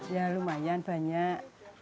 ya lumayan banyak